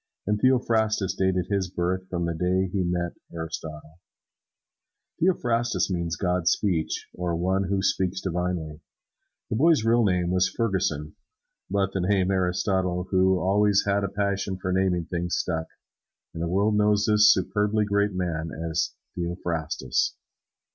And Theophrastus dated his birth from the day he met Aristotle. Theo Phrastus means God's speech, or one who speaks divinely. The boy's real name was Ferguson. But the name given by Aristotle, who always had a passion for naming things, stuck, and the world knows this superbly great man as Theophrastus.